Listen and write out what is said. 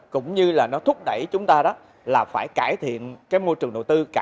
cũng như nó thúc đẩy chúng ta phải cải thiện môi trường đầu tư